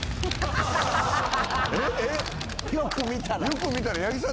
よく見たら。